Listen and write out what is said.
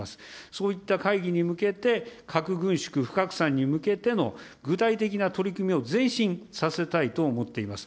そういった会議に向けて、核軍縮、不拡散に向けての具体的な取り組みを前進させたいと思っております。